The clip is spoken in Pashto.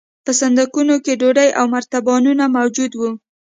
په صندوقونو کې ډوډۍ او مرتبانونه موجود وو